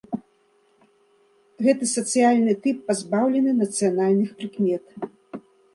Гэты сацыяльны тып пазбаўлены нацыянальных прыкмет.